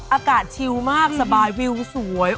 อากาศชิวมากสบายวิวสวย